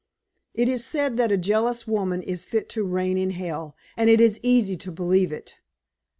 It is said that a jealous woman is fit to reign in hell, and it is easy to believe it.